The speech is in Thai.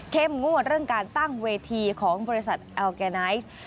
งวดเรื่องการตั้งเวทีของบริษัทอัลแกไนท์